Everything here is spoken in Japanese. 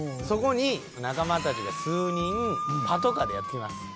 そこに仲間たちが数人パトカーでやって来ます。